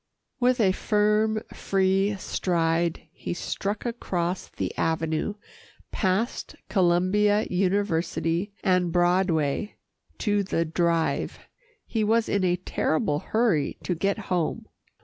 With a firm, free stride, he struck across the avenue, past Columbia University and Broadway to the Drive. He was in a terrible hurry to get home.